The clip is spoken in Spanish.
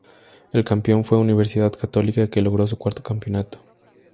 El campeón fue Universidad Católica que logró su cuarto campeonato.